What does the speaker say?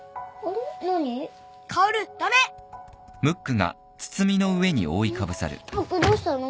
んっムックどうしたの？